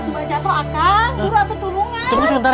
ma jatoh akang buru aku tulungan